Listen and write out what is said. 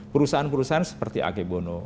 perusahaan perusahaan seperti akebono